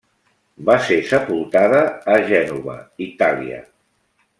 Va ser sepultada a Gènova, Itàlia.